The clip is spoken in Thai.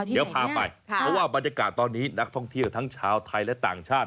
เดี๋ยวพาไปเพราะว่าบรรยากาศตอนนี้นักท่องเที่ยวทั้งชาวไทยและต่างชาติ